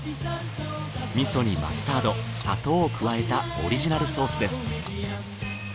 味噌にマスタード砂糖を加えたオリジナルソースです。